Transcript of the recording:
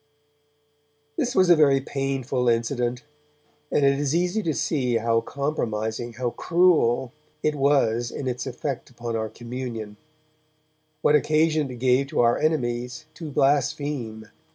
This was a very painful incident, and it is easy to see how compromising, how cruel, it was in its effect upon our communion; what occasion it gave to our enemies to blaspheme.